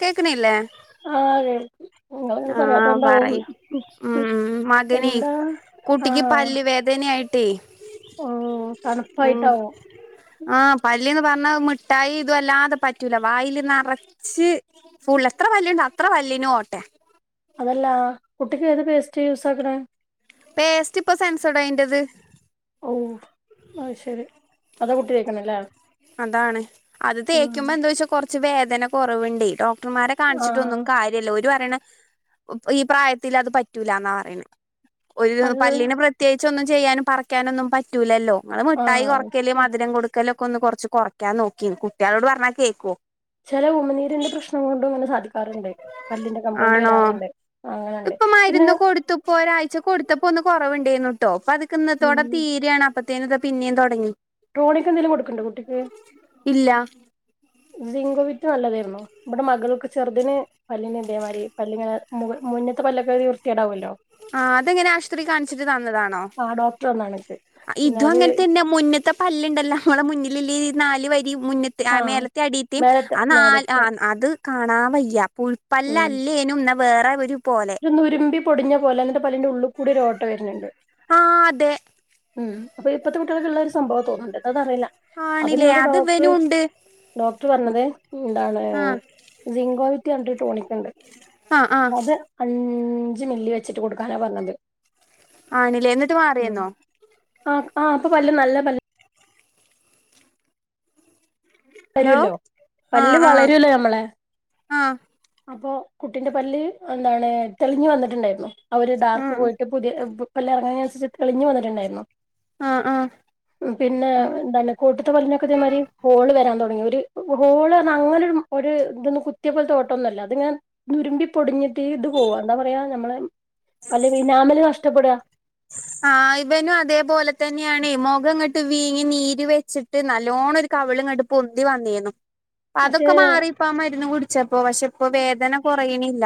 കേക്കണില്ലേ ആ കേട്ടു ആ പറയ് മം മതിനി എന്താ കുട്ടിക്ക് ആഹ് പല്ല് വേദനയായി ഉം മം തണുപ്പായിട്ടാവും ആ പല്ലിന്ന് പറ മിട്ടായി ഇതുവല്ലാതെ പറ്റുല്ലാ വായില് നിറച്ച് ഫുൾ എത്ര പല്ലുണ്ടോ അത്ര പല്ല് ന് ഓട്ട അല്ലാ കുട്ടിക്ക് ഏത് പേസ്റ്റ് യുസ് ആക്കണേ പേസ്റ്റ് ഇപ്പൊ സെൻസോഡയ്ൻ്റേത് മം അത്ശരി അതാ കുട്ടി തെക്കണേ അല്ലേ അതാണ് അത് തേക്കുമ്പോ എന്താവെച്ചാ കുറച്ച് വേദന കുറവുണ്ടേ ഡോക് ഡോക്ടർമാരെ ആഹ് കാണിച്ചിട്ടൊന്നും കാര്യവില്ല ഓര് പറയണേ ഈ പ്രായത്തില് അത് പറ്റൂലന്നാ പറയണേ ഒരു അത് പല്ലിന് പ്രത്യേകിച്ച് ഒന്നും ചെയ്യാനും പറിക്കാനും ഒന്നും പറ്റൂലല്ലോ നിങ്ങള് മിട്ടായി കൊറയ്ക്കല് ആഹ് മധുരം കൊടുക്കല് ഒക്കെ ഒന്ന് കുറച്ച് കുറയ്ക്കാൻ നോക്കി കുട്ടികളോട് പറഞ്ഞാൽ കേക്കുവോ ചില ഉമനീരിന്റെ പ്രശ്നം കൊണ്ടും ഇങ്ങനെ സാധിക്കും ക്കാറണ്ട് പല്ലിന്റെ കംപ്ലയിന്റ് ആണോ വരാറുണ്ട് അങ്ങനൊണ്ട് പിന്നെ ഇപ്പം ഒരാഴ്ച കൊടുത്തപ്പോ ഒന്ന് കുറവുണ്ടേന്നുട്ടോ അപ്പൊ അതക്കെ ഉം ഇന്നത്തോടെ തീരയാണ് അപ്പത്തേന് ഇതാ പിന്നേം തുടങ്ങി ടോണിക്ക് എന്തേലും കൊടുക്കണ്ടോ കുട്ടിക്ക് ഇല്ല സിങ്കോവിറ്റ് നല്ലതായിരുന്നു ഇവിടെ മകൾക്ക് ചെറുതിന് പല്ലിന് ഇതേമാതിരി പല്ലിങ്ങനെ മുക മുന്നത്തെ പല്ലൊക്കെ വൃത്തികേടാവുല്ലോ ആ അതെങ്ങനെ ആശുപത്രി കാണിച്ചട്ട് തന്നതാണോ ആഹ് ഡോക്ടർ വന്നണക്ക് പിന്നെ ഇതും അത് അങ്ങനെ തന്നെ മുന്നത്തെ പല്ലുണ്ടല്ലോ നമ്മടെ മുന്നി ല് നാല് വരി മുന്നത്തെ ആ ആഹ് മേലത്തെ അടിത്തേം മേലത്തെ ആ നാൽ മേലത്തെ അത് കാണാൻ വയ്യ പുഴപ്പല്ലല്ലേനും എന്ന വേറെ ഒരു പോലെ ഒന്നുരുമ്പി പൊടിഞ്ഞ പോലെ എന്നിട്ട് പല്ലിൻ്റെ ഉള്ളികൂടി ഒരു ഓട്ട വരുണുണ്ട് ആ അതെ മം അപ്പൊ ഇപ്പോത്തെ കുട്ടികൾക്കുള്ള ഒരു സംഭവാന്ന് തോന്നുന്നുണ്ട് അതറിയില്ല ആണില്ലേ അതിവനും ഉണ്ട് ഡോക്ടർ പറഞ്ഞത് എന്താണ് ആ സിങ്കോവി വിറ്റ്ണ്ട് ഒരു ടോണിക് ഇണ്ട് ആ ആ അത് അഞ്ച് മില്ലി വെച്ചിട്ട് കൊടുക്കാനാ പറഞ്ഞത് ആണിലേ എന്നിട്ട് മാറിയായിരുന്നോ ആ ആ ഇപ്പൊ പല്ല് നല്ല പല്ല ഹലോ വരുവല്ലോ ആ പല്ല് ആ വളരുല്ലോ ഞമ്മളെ ആ അപ്പോ കുട്ടീന്റെ പല്ല് എന്താണ് തെളിഞ്ഞു വന്നിട്ടുണ്ടായിരുന്നു ആ ഒരു ഡാർക്ക് പോയിട്ട് പുതിയ പല്ല് ഇറങ്ങുന്നതിനനുസരിച്ച് തെളിഞ്ഞു വന്നിണ്ടായിരുന്നു ആ ആ പിന്നെ എന്താണ് കൂട്ടത്തെ പല്ലിനൊക്കെ ഇതേമാതിരി ഹോള് വരാൻ തുടങ്ങി ഒരു ഹോള് പറഞ്ഞ അങ്ങനൊരു ഒരു കുത്തിയ പോലത്തെ ഓട്ട ഒന്നുവല്ല അതിങ്ങനെ ഉരുമ്പി പൊടിഞ്ഞ് ട്ട് ഇത് പോവാ എന്താ പറയാ ഞമ്മള് പല്ലിൻ്റെ ഇനാമല് നഷ്ടപ്പെടുക [unintelligible] ആ ഇവനും അതേപോലെ തന്നെയാണേ മുഖം ഇങ്ങട്ട് വീങ്ങി നീര് വെച്ചിട്ട് നല്ലോണം ഒരു കവിള് അങ്ങട്ട് പൊന്തി വന്നെന്നു ഇപ്പം പക്ഷെ അതൊക്കെ മാറി ഇപ്പോ ആ മരുന്ന് കുടിച്ചപ്പോ പക്ഷെ ഇപ്പൊ വേദന കുറയണില്ല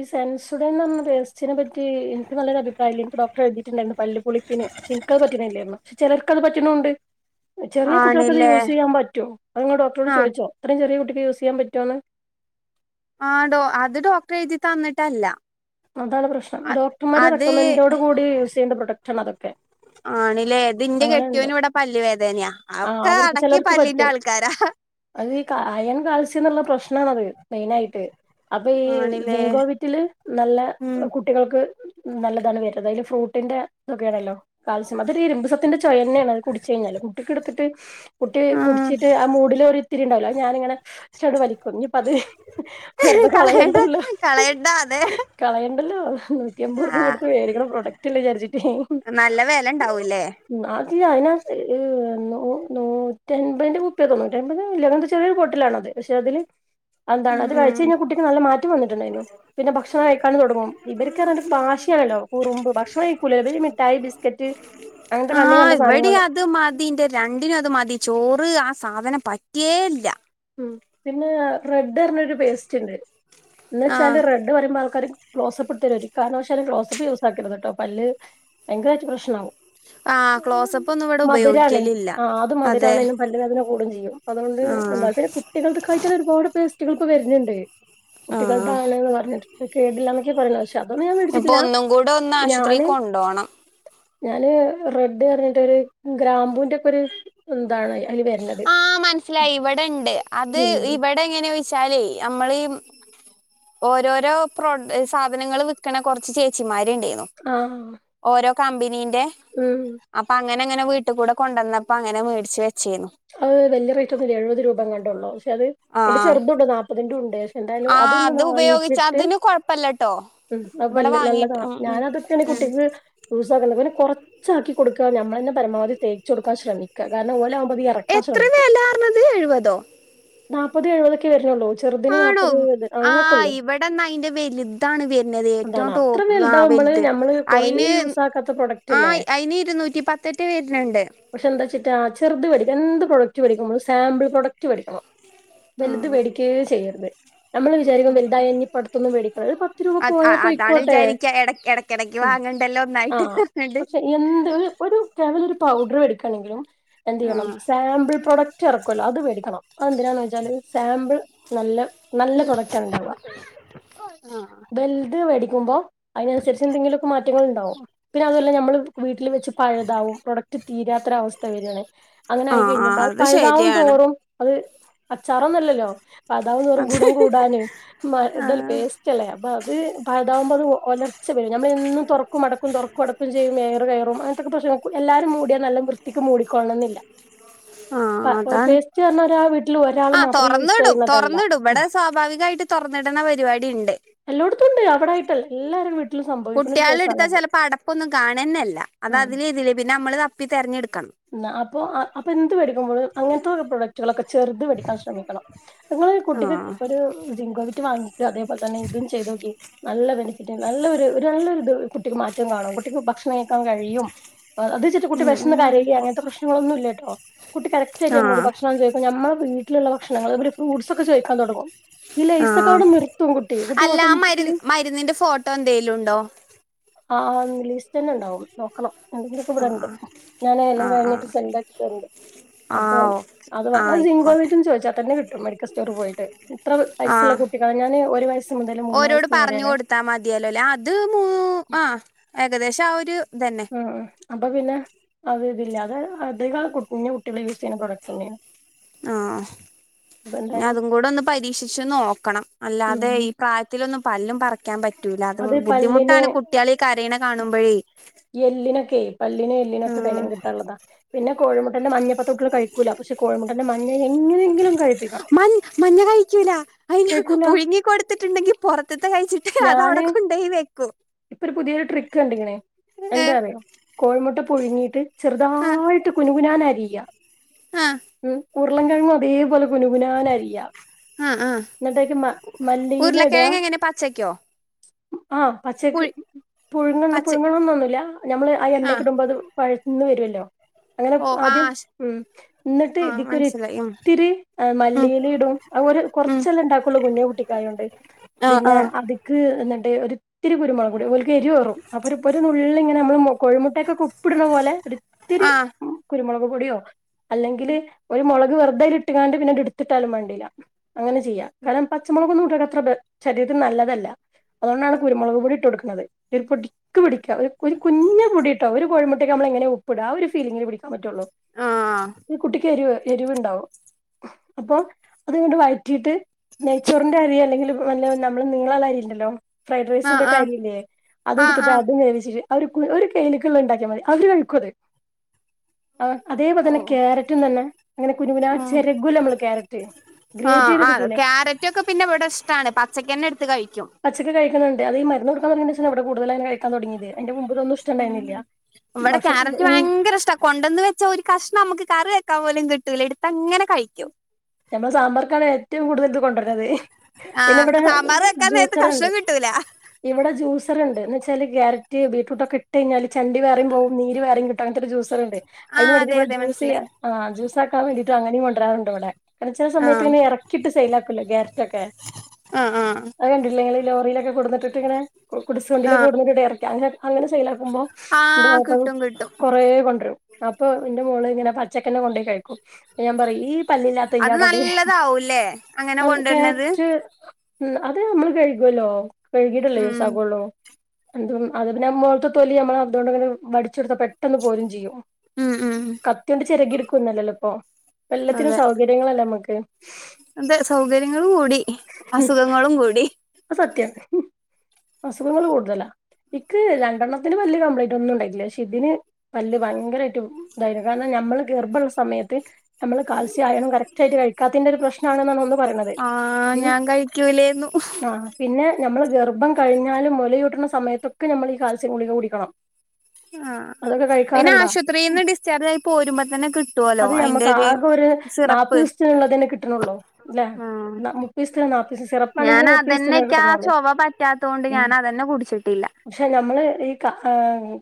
ഈ സെൻസോഡൻ പറഞ്ഞ പോസ്റ്റിനെ പറ്റി എനിക്ക് നല്ലൊരു അഭിപ്രായവില്ല എനിക്ക് ഡോക്ടർ എഴുതിയിട്ടുണ്ടായിരുന്നു പല്ലുപുളിപ്പിന് പ [unintelligible] പക്ഷെ ചിലർക്ക്ത് പറ്റണുവുണ്ട് ചെറിയ കുട്ടികൾക്ക്ക്കത് ആണില്ലേ യൂസ് ചെയ്യാൻപറ്റോ അങ്ങ് ഡോക്ടറോട് ആഹ് ചോദിച്ചോ അത്രയും ചെറിയ കുട്ടിക്ക് യൂസ് ചെയ്യാൻ പറ്റോന്ന് ആ ഡോ അത് ഡോക്ടറെ എഴുതി തന്നിട്ടല്ല അതാണ് പ്രശ്നം ഡോക്ർമാര് അത് റെക്കമെന്റോട് കൂടി യൂസ് ചെയ്യേണ്ട പ്രൊഡക്റ്റ് ആണ് അതൊക്കെ ആണില്ലേ ഇതിന്റെ കെട്ടിയോന് ഇവിടെ പല്ല് വേദനയാ ആ ഒക്കെ അവർക്ക് അടക്കി ചിലർക്ക് പല്ലിന്റെ പറ്റൂ ആൾക്കാരാ അത് അയൻ കാൽസ [unintelligible] പ്രശ്നാണത് മെയിനായിട്ട് അപ്പൊ ഈ ആണില്ലേ സിങ്കോവിറ്റില് നല്ല ഉം കുട്ടികൾക്ക് നല്ലതാണ് വര അതില് ഫ്രൂട്ട് കുട്ടീന്റെ ഇതോക്കെയണല്ലോ കാൽസ്യം അതൊരു ഇരുമ്പുസത്തിന്റെ ചുവയാണ് അത് കുടിച്ച് കഴിഞ്ഞാല് കുട്ടിക്ക് കൊടുത്തിട്ട് കുട്ടി ആഹ് കുടിച്ചിട്ട് ആ മൂഡില് ഒരിത്തിരി ഉണ്ടാവൂല്ലോ ഞാനിങ്ങട് വലിക്കും ഇത് വെറുതെ കളയണ്ട കളയണ്ടല്ലോ കളയണ്ട അതെ കളയണ്ടല്ലോ നൂറ്റി അമ്പത് റുപിയ കൊടുത്ത് ആഹ് മേടിക്കണ പ്രൊഡക്ട് അല്ലേ വിചാരിച്ച് നല്ല വില ഉണ്ടാവൂല്ലേ അയിന് ആ [unintelligible] ന നൂറ്റി അമ്പതിന്റെ കുപ്പിയ നൂറ്റിയമ്പത് അങ്ങനത്തെ ചെറിയൊരു ബോട്ടിലാണത് പക്ഷെ അതില് എന്താണ് അത് കഴിച്ചച്ച് കഴിഞ്ഞാൽ ഉം അത് എന്താണ് കുട്ടിക്ക് നല്ല മാറ്റം വന്നിട്ടുണ്ടായിരുന്നു പിന്നെ ഭക്ഷണം കഴിക്കാൻ തുടങ്ങും ഉം ഇവർക്ക ല്ലോ കുറുമ്പ് ഭക്ഷണം കഴിക്കൂല മിഠായി ബിസ്ക്കറ്റ് അങ്ങനത്തെ കണ്ണി ആഹ് കണ്ട ഇവിടെ സാധനങ്ങള് അത് മതി രണ്ടിനും അത് മതി ചോറ് ആ സാധനം പറ്റിയേ ഇല്ല ഉം പിന്നെ റെഡ് പറഞ്ഞരു പേസ്റ്റ് ഉണ്ട് എന്ന്ന് വെച്ചാല് ആഹ് റെഡ് പറയുമ്പോൾ ആൾക്കാ ക്ലോസപ്പപ്പെടുത്തേും ഒരു കാരണവശാലും ക്ലോസപ്പ് യൂസാ ക്കരുത് കേട്ടോ പല് ഭയര പ്രശ്നമാകവും ആ ക്ലോസപ്പ് ഒന്നും ഇവിടെ മധുറാ ണേ ഉപയോഗിക്കലില്ല ആ അത് അതെ മധുരാണും പല്ല അ [unintelligible] ചെയ്യും അതുകൊണ്ട് ആ എന്ത കുട്ടികൾ കായിട്ട ഒരുപാട് പേസ്റ്റുകൾക്ക് വരുന്നുണ്ട് ആ കുട്ടികളുടെ ആണന്ന് പറഞ്ഞിട്ട് കേടില്ല അതൊന്നും ഞാൻ ഇപ്പൊ വിേടിച്ചില്ല ഒന്നും കൂടെ ഒന്ന് ആശുപത്രി ഞാന് കൊണ്ടോണം ഞാന് റെഡ് പറഞ്ഞിട്ട് ഒരു ഗ്രാമ്പൂവിന്റെറെ ഒക്കെ ഒരു എന്താണ് അതിൽ വറൂന്നത്ത് ആ മനസ്സിലായി ഇവിടെ അത് ഇവിടെ എങ്ങനെ ചോദിച്ചാല് നമ്മള് ഓരോരോ പ്രോ സാധനങ്ങൾ വിൽക്കണ കൊറച്ച് ചേച്ചിമാര് [unintelligible] ആഹ് ഓരോ കമ്പനി ൻ്റെ ഉം ങ്ങനെ ങ്ങനെ വീട്ടിൽ കൂടെ കൊണ്ടുവന്നപ്പോ അങ്ങനെ മേടിച്ച് വെച്ചേു അത് വലിയ റേറ്റ് ഒന്നില്ല എഴുപത് രൂപയും കണ്ടുള്ളൂ പക്ഷെ അത് ആ എന്റെ ചെറുണ്ടോ നാപതിന്റു എന്തായാലും ആ അതൊന്ന് അത് ഉപയോഗിച്ച വാങ്ങിച്ചിട്ട് അതിന് കൊഴപ്പല്ലട്ടോ ഉ അത് ഇവിടെ വാങ്ങീട്ട് നല്ലതാണ് ഉം ഉം ഞാാന അതൊക്കെ ഉം നല്ലതാകുട്ടിക്ക് യൂസ ആക്കുന്നത് പിന്നെ കൊറച്ചാക്കി കൊടുക്കചാക്കി കോടു നമ്മ തന്നെപരമാവതി തേച്ച് കൊടുക്കാൻ ശ്രമിക്ക കാരണം ഓല എത്ര ഉമ്പോ വില പറഞ്ഞത് എഴുപതോ [unintelligible] നാപ്പത് എഴുപതക്കെ വരുന്നുള്ളൂ ചെറുതിന് ആണോ നാപ്പത് എഴുപത് അങ്ങനെയൊക്കെ ആ് ഉള്ളൂ ഇവിടെന്നാ അയിന്റെ വലുതാണ് വരുന്നത് ഏറ്റവും അതാണ് അത്ര ടോപ്പ് ആ വലുതാവുമ്പള് നമ്മള് കൊറേ അയിന് യൂസ് ആക്കാത്ത പ്രൊഡക്റ്റ് ആ അല്ലേ അതിന് ഇരുന്നൂറ്റി പത്തേറ്റേ വരുന്നുണ്ട് പക്ഷെ എന്താച്ചിട്ടാ ചെറുത് വേടിക്കും കഎന്ത് പ്രോഡക്ട് വേടിക്കും സാമ്പിൾ പ്രോഡക്റ്റ് വേടിക്കണം വലുത് ആഹ് വേടികേ ചെയ്യരുത് നമ്മള് വിചാരിക്കും വലുതായ ഇനിപ്പോ അ ടുത്തുന്ന് വേടിക്കള ഒരു പത്ത് രൂപ അത് അതാണ് പോയാപ്പോയിക്കോട്ടെ വിചാരിക്ക എട എടക്കിടക്ക് ഉ വാങ്ങണ്ടല്ലോ ആ ഒന്നായിട്ട് പറഞ്ഞിട്ട് പക്ഷെ എന്ത് ഒരു കേവല ഒരു പൗഡർ വേ ക്കാണെങ്കിലും എന്ത് ചെയ്യണം ആഹ് സാമ്പിൾ പ്രൊഡക്റ്റ് ക്കൊല്ലോ അത് വേടിക്കണം അ എന്തിനാന്ന് വെച്ചാല് സാമ്പിൾ നല്ല നല്ല പ്രൊഡക്റ്റാണ് ണ്ടാവുക ആ വെൽത് വേടിക്കുമ്പോ അതിനനുസരിച്ച് എന്തെങ്കിലൊക്കെ മാറ്റങ്ങൾ ണ്ടാവും പിന്നെ അതല്ലെ നമ്മള് വീട്ടിൽ വെച്ച് പഴുതാവും പ്രൊഡക്റ്റ് തീരാത്തര അവസ്ഥ വരാണ് അങ്ങനെ ആഹ് ആയിക്കഴിഞ്ഞ ആഹ് അത് പഴുതാവും ശരിയാണ് തോറും അത് അച്ചാറൊന്നുവല്ലല്ലോ പാതാവന്ന് പററ അത് ഗുണം കൂടാന് ഇതല്ല ആഹ് പേസ്റ്റ്ല്ലേ അപ്പ അത് പാതാവ അത് ഒലർച്ചെ വരും നമ്മൾ എന്നും തുറക്കും അടക്കും തുറക്കും അടക്കും ചെയ്യുമ്പോ എയർ കയറും അങ്ങനെ ഒക്കെ പ്രശ് എല്ലാരും മൂടിയാ നല്ലം വൃത്തിക്ക് മൂടിക്കൊള്ളണംനില്ല ആഹ ആ അതാണ് ഒരാ വീട്ടിൽ ഒരാൾ ആ മാത്രം യൂസ് തുറന്നടും ചെയ്യുന്നതല്ല തുറന്നിടും ഇവിടെ സ്വാഭാവികമായിട്ട് തുറന്നിട ന്ന പരിപാടി ഉണ്ട് എല്ലോടത്തും ഉണ്ട് അവിടായിട്ടല്ല എല്ലാരെ വീട്ട് കുട്ടിയാള് എടുത്താൽ ചിലപ്പോ അടപ്പൊന്നും കാണന്നെ ഇല്ല അത് ഉം അതിലിം ഇതിലിം പിന്നെ നമ്മൾ തപ്പി തിരങ്ങ് എടുക്കണം ന്നാ അപ്പൊ ആ അപ്പൊ എന്ത് വേടിക്കുമ്പോയും അങ്ങനത്തെ ഓരോ പ്രൊഡക്റ്റുകളൊക്കെ ചെറുത് വേടിക്കാൻ ശ്രമിക്കണം നിങ്ങ കുട്ടിക്ക് ആഹ് ഒരു സിൻകോ വിറ്റ് വാങ്ങിക്കാ ഇതേ പോലെ തന്നെ ഇതും ചെയ്യ്തു നോകിം നല്ല ബെനിഫിറ്റ് നല്ലൊരു ഒരു ഒരു നല്ലൊരു ഇത് കുട്ടിക്ക് മാറ്റം കാണും കുട്ടിക്ക് ഭക്ഷണയ്യ് കാൻ കഴിയും അത്ചിട്ട് കുട്ടി ഉം വിശന്ന് ഉം കരയ് പ്രശ്നങ്ങൾ ഒന്നും ഇല്ലട്ടോ കുട്ടി കറക്റ്റ് ആയിട്ട് നമ്മളോട് ആഹ് ഭക്ഷണം ചോയിക്കും നമ്മളെ വീ ലുള്ള ഭക്ഷണങ്ങൾ പിന്നെ ഫ്രൂട്ട്സ് ഒക്കെ ചോദിക്കാൻ തുടങ്ങും ഈ ആഹ് ലൈസക്കവിടെ നിർത്തും കുട്ടി കുട്ടി അല്ല ആ മരു ഓട്ടോമാറ്റിക്കലി മരുന്നിന്റെ ഫോട്ടോ എന്തേലും ഉണ്ടോ ആ ലിസ്റ്റ് തന്നെ ഉണ്ടാവും നോക്കണം എന്തെങ്കിലുമൊക്കെ ഇവിടെണ്ട് ആഹ് എല്ലാം ആഹ് കഴിഞ്ഞിട്ട് ആഹ് സെന്റ് ആക്കി തരണ്ട് അപ്പൊ ആഹ് ഓക്കെ ആഹ് ആ സിൻകോ ആയിക്കോട്ടെ വിറ്റ് ചോയി തന്നെ കിട്ടും മെഡിക്കൽ സ്റ്റോറിൽ പോയിട്ട് മം ആഹ മുതൽ മൂന്ന് ഓരോട് വയസ്സ് പറഞ്ഞു വരെയാണ് കൊടുത്താ മതിയല്ലോ ആ അത് മൂ ആ ഏകദേശം ആ ഒരു ഇതന്നെ ആഹ ആ അപ്പൊ പിന്നെ അത് ഇതില്ലാതെ അധിക കുഞ്ഞി കുട്ടികൾ യൂസ് ചെയ്യുന്ന പ്രൊഡക്റ്റ് തന്നെയാണ് ആ ആഹ് അപ്പൊ ഇനി എന്തായാലും അതും കൂടെ ഒന്ന് പരീക്ഷിച്ചു നോക്കണം അല്ലാതെ ഉം ഈ പ്രായത്തിലൊന്നും പല്ലും പറക്കായാൻ പറ്റൂല അത് ബുദ്ധിമുട്ടാണ് കുട്ടയാൾ ഈ കരീണേ കാണുബയെ എല്ലിനൊക്കെ പല്ലിനും എല്ലിനും ഒക്കെ ബലം ആഹ് കിട്ടാൻ ഉള്ളതാ പിന്നെ കോഴി മുട്ടന്റെ മഞ്ഞ ഇപ്പത്തെ കുട്ടിയാൾ കഴിക്കൂല കോഴിമുട്ട മൻ മഞ്ഞ കഴിക്കൂല അയിന് കഴിക്കൂല പുഴുങ്ങി കൊടുത്തിട്ടുണ്ടെങ്കി പൊറതിത്തെ കഴിച്ചിട്ട് അത് ഞാന് അവിടെ കൊണ്ടോയി വെക്കും ഇപ്പൊ ഒരു പുതിയൊരു ട്രിക്ക് കണ്ടക്കണ് ഏ എന്താ അറിയോ കോഴി മുട്ട പുഴുങ്ങിട്ട് ആ ചെറുതായിട്ട് കുനുകുനാനാരിയ ആ ഉം ഉരുളം കിഴങ്ങും അതേപോലെ കുനുകുനാനരിയ ആ ആ എന്നിട്ട് അതിക് മ മല്ലിയില ഇടാ ഉരുളക്കിഴങ്ങ് എങ്ങനെ പച്ചക്കോ ആ പച്ചക്ക് പുഴു പുഴുങ്ങ പച്ച പുഴുങ്ങണ ഒന്നും ഇല്ല ഞമ്മള് ആ എണ്ണക്ക് ഇടുമ്പോ അത് വഴ ഇന്ന വരുല്ലോ അങ്ങനെ ഓ ആ ആദ്യം ഉം എന്നിട്ട് ആ ഇതിക്കൊരു മനസ്സിലായി ഉം ഒത്തിരി ഉം മല്ലിയില ഇടും അ ഉം കുറച്ചെല്ലാം ഉണ്ടാക്കുള്ള കുഞ്ഞ കുട്ടിക്കായൊണ്ട് ആ പിന്നെ ആ അത് എന്നിട്ട് ഒരു ഇത്തിരി കുരുമുളക് പൊടി ഓല്ക് എറിഏറും അപ്പോരു നുള്ള് ഇങ്ങനെ കോഴിമുട്ടക്ക് ഒക്കെ ഉപ്പ് ഇടുന്ന പോലെ ഒരു ഇത്തിരി ആ കുരുമുളക് പൊടിയോ അല്ലെങ്കിലോ ഒരു മുളക് വെറുതഅതിൽ ഇട്ടാണ്ട് പിന്നെ ഇടതിട്ടാലും വേടില്ല അങ്ങെ ചെയ്യ കാരണം പച്ചമുളൊകൊന്നും ശരീരത്തിനു നല്ലതല്ല അതുകൊണ്ടാണ് കുരുമുളക്പൊടി ഇട്ട് കൊടുക്കുന്നത് ഒരു പൊടിക്ക് പിടിക്ക ഒരു കുഞ്ഞു പൊടി ഇട്ടാ ഒരു കോഴി മു ട്ടക്ക് നമ്മള് എങ്ങനാ ഉപ്പിടുക ആ ഒരു ഫീലിങ്ങില് പിടിക്കാൻ പറ്റുള്ളൂ ആ ഈ കുട്ടിക്ക് എരിവ് എരിവുണ്ടാവും അപ്പൊ അത് ഇങ്ങട്ട് വഴറ്റിയിട്ട് നെയ്യ്‌ച്ചോറിന്റെ അരി അല്ലെങ്കി നല്ല നമ്മടെ നീളം ഉള്ള അരി ഉണ്ട ല്ലോ ആ ആ ഫ്രൈഡ്രൈസിന്റെ ഒക്കെ അരി ഇല്ലേ അത് ആ എടുത്തിട്ട് ആ അതും വേവിച്ചിട്ട് ഒരു കു ഒരു കെയിലിക്ക് ഉള്ളത് ഉണ്ടാക്കിയ മതി അവര് കഴിക്കും അത് ആഹ് അതേപോലെ ഓ തന്നെ കാരറ്റ് നല്ല ഇങ്ങനെ കുനു കുനാന്ന് ചെരകൂലേ നമ്മള് കാരറ്റ് ആഹ് ആഹ് ക്യാരറ്റൊക്കെ പിന്നെ ഇവിടെ ഇഷ്ടാണ് പച്ചക്കന്നെ എടുത്ത് കഴിക്കും പച്ചക്ക് കഴിക്കുന്നുണ്ട് അത് ഈ മരുന്ന് കൊടുക്കാൻ തുടങ്ങിയശേഷം ആണ് കൂടുതലായി ഇങ്ങനെ കഴിക്കാൻ തുടങ്ങിയത് അതിന്റെ മു ഉം ഇവിടെ ക്യാരറ്റ് ഉം ഭയങ്കര ഇഷ്ടവാ കൊണ്ടന്ന് വെച്ചാ ഒരു കഷണം നമുക്ക് കറി വെ പോലും കിട്ടൂല എടുത്ത് അങ്ങനെ കഴിക്കോ മ്മെ സാമ്പാർക്കാണ് ഏറ്റവും കൂടുതൽ ഇത് കൊണ്ടുവരുന്നത് ആ പിന്നെ ഇവിടെ സാമ്പാർ വെക്കാൻ നേരത്ത് ജൂസർുണ്ട് കഷ്ണം കിട്ടൂല ഇവിടെ ജ്യൂസർ ഉണ്ട് വ വാല്ക്യറ്റ് ബീട്ട് രൂട്ട ഒക്കെട്ട കഴിഞ്ഞാല് ചണ്ടി വേറെയും പോകവും നീര് വേയും കിട്ടും അങ്ങനത്തെ ഒരു ജൂസറുണ്ട് ആ അതെ അതിന് അതെ മനസ്സിലായി ജൂസ് ആ ആക്കാൻ വേണ്ടിട്ട് അങ്ങനെയും കൊണ്ടുവരാറുണ്ട് അവിടെ ക ചില ആ സമയത്ത് ഇനെ ഇറക്കിട്ട് സെൽ ആാക്കല്ലോ കാരറ്റ്ക്കെ ആ ആ അത് കണ്ടട്ടില്ല നിങ്ങങ്ങള് ഈ ലോറിയിലൊക്കെ കൊടുട്ട് ഇങ്ങനെ ആ കുടിച്ചുവണ്ടിക്കെ കൊടുട്ട് ഇറക്ക അങ്ങന അങ്ങനെ സെലാക്കുമ്പോ ആ കിട്ടും കിട്ടും കൊറ കൊണ്ടുവരും അപ്പൊ എന്റെ മോള് ഇങ്ങന പച്ചക്കെ കൊണ്ട കിക്ക ഞാൻ പറഈ അത് തെയ്യാടോട നല്ലതാവൂല്ലേ അങ്ങനെ ന കൊണ്ടുവരുന്നത് കേറ്റ് ഉ അത് നമ്മള് കഴിക്കുവല്ലോ കഴുകിട്ടല്ലോ ഉം യോസാക്കള്ളോ എന്ത അത് പിന്നെ മലത്തെ തൊലി നമ്മള് അതുകൊണ്ട് ഇങ്ങനെ വഠിച്ചെടുത്ത പെട്ടെന്ന് പോലും ചെയ്യും ഉം ഉം കത്തിണ്ട് ചിരകിടുക്കുംന്നല്ലല്ലോ ഇപ്പൊ എല്ലാത്തിനും അതെ സൗ സൗകര്യങ്ങളല്ല നമുക്ക് അതെ സൗകര്യങ്ങളും കൂടി അസുഖങ്ങളും കൂടി സത്യം അസുഖങ്ങൾ കൂടുതലാ എനിക്ക് രണ്ടെണ്ണത്തിന് വല് കംപ്ലയിന്റ് ഒന്നും ഉണ്ടായില്ല പക്ഷെ ഇതിന് വല്ല് ഭയങ്കരമായിട്ട് കാരണം നമ്മള് ഗർഭമുള്ള സമയത്ത് നമ്മ ആയണം കറക്റ്റ് ആയിട്ട് കഴിക്കാത്തിന്റെ ഒരു പ്രശ്ന ആണെന്നാണ് ഒന്ന് പറയത് ആ ഉ ഞാൻ കഴിക്കൂലേന്നു ആഹ പിന്നെ നമ്മൾ ഗർഭം കഴിഞ്ഞാലും മുലയൂട്ടണ സമയത്തൊക്കെ നമ്മൾ ഈ കാൽസ്യം ഗുളിക കുടിക്കണം ആഹ് അതൊക്കെ പിന്നെ കഴിക്കാറുണ്ടോ ആശുപത്രിയിൽ നിന്ന് ഡിസ്ചാർജ് ആയി പോരുമ്പോ തന്നെ കിട്ടുവല്ലോ അതിന്റെ ഒരു നാല്പ്പ സിറപ്പ് ദസത്തിനുള്ളള്ള തന്നെ കിട്ടണള്ളോ അല്ല ആഹ് മുപ്പ ദിവസത്തിന് നാപ്പ ദസ ഞാൻ സറപ്പാണെങ്കിൽ മുപ്പ ദിവസന് അകം അതന്നെക്ക് ആ ചൊവ പറ്റാത്തത കൊൊണ്ട് ഞാൻ അതന്നെ കുടിച്ചിട്ടില്ല പക്ഷെ നമ്മള് ഈ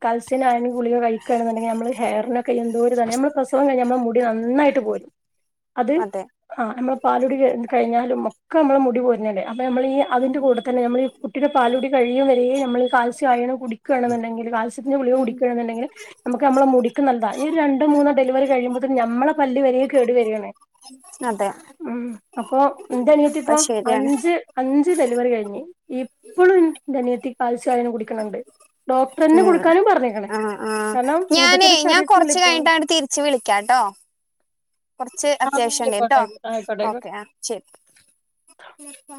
കൽസിന ആണെും ഗളികൾ കഴിക്കുകണെന്നുണ്ടെിൽ നമ്മള് ഹെയറിനക്കെ എന്തോ ഇതാണ് നമ്മൾ പ്രസവം കഴഞ്ഞാൽ നമ്മ മുടി നന്നട്ട് ട്ട് അത് അതെ ആ നമ്മ പാലടി കഴിഞ്ഞാലും ഒക്കെ നമ്മള മുടി പോരുന്നല്ലേ അപ്പൾ നമ്മൾ ഈ ഉം അതിൻന്റെ കൂടെ തന്നെ നമ്മൾ ഈ കുട്ടിയുടെ പാലൂ കഴിയ വരരെേ നമ്മൾ കാത്സയണം കുടിക്കുകണമുണ്ടെങ്കിൽ കാത്സ്യത്തിന്റെളിക ഉം കുടിക്കുണ്ടെങ്ക നക്ക് നമ്മള മുടി നല്ലാ ഒരു രണ്ടോ മൂന്നോ ഡെലിവറി കിയുമ്പോത്തേ നമ്മെ പല്ലി വരി കേടു വരിയണേ അതെ അപ്പൊ എന്ത അനിയത്തി അപ്പൊ ഇപ്പോ ശരിയാണ് അഞ്ച് അഞ്ച് ഡെലിവറി കഴിഞ്ഞ് ഇപ്പോഴും ന്റനിയത്തി പാലിച്ച കാലും കുടിക്കണണ്ട് ഡോക്ടർന്നെ കൊടുക്കാനും പറഞ്ഞേക്കണെ ആ ഞാനേ ഞാൻ കൊറച്ച കഴിഞ്ഞിട്ട അട്ട തിരിച്ചു വിളിക്കാട്ടോ കുറച്ച് ആഹ് അത്യാവശ്യണ്ട് കേട്ടോ ആയിക്കോട്ടെ ആയിക്കോട്ടെ ആയിക്കോട്ടെ ഓക്കേ ആ ശരി